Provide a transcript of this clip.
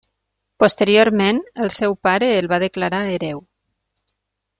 Posteriorment el seu pare el va declarar hereu.